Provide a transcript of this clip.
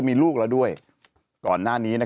ปรากฏว่าน้องการ์ตูนก็คือนี่แหละฮะ